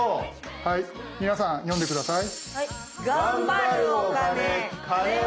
はい皆さん読んで下さい！